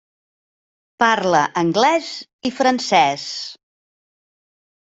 Parla anglès i francès.